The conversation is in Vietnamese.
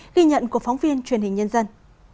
ghi nhận của phóng viên truyền hình nhân dân